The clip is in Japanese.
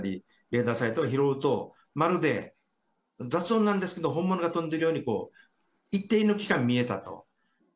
レーダーサイトが拾うと、まるで雑音なんですけど、本物が飛んでるように、一定の期間見えたと。